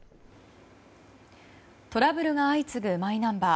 トラブルが相次ぐマイナンバー。